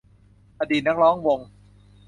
อดีตนักร้องวง